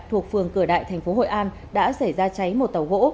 thuộc phường cửa đại thành phố hội an đã xảy ra cháy một tàu gỗ